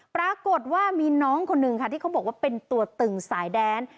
ปรากฏว่ามีน้องคนหนึ่งค่ะที่เขาบอกว่าเป็นตัวตึงสายแดน